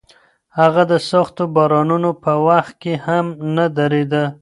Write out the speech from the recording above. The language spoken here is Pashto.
هغه د سختو بارانونو په وخت کې هم نه درېده.